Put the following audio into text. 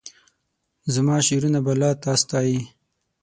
زماشعرونه به لا تا ستایي